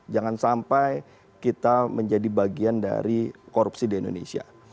jangan sampai kita menjadi bagian dari korupsi di indonesia